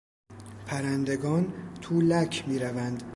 پرندگان تو لک میروند.